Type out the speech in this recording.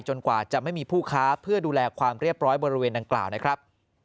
กว่าจะไม่มีผู้ค้าเพื่อดูแลความเรียบร้อยบริเวณดังกล่าวนะครับ